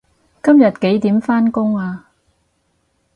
今日幾點返工啊